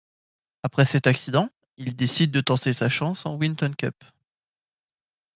Après cet accident, il décide de tenter sa chance en Winton Cup.